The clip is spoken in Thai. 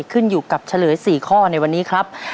กับเฉลย๔ข้อในวันนี้ครับ